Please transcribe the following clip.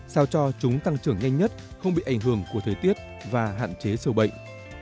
sao cho chúng tăng trưởng nhanh nhất không bị ảnh hưởng của thời tiết và hạn chế sầu bệnh